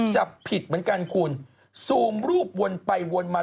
จับผิดเหมือนกันคุณซูมรูปวนไปวนมา